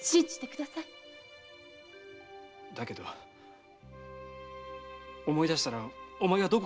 だけど思い出したらお前はどこかに！